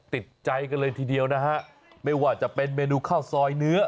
ติดใจกันเลยทีเดียวนะฮะไม่ว่าจะเป็นเมนูข้าวซอยเนื้อ